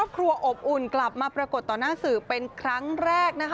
ครอบครัวอบอุ่นกลับมาปรากฏต่อหน้าสื่อเป็นครั้งแรกนะคะ